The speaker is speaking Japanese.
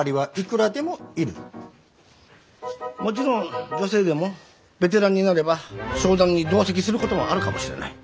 もちろん女性でもベテランになれば商談に同席することもあるかもしれない。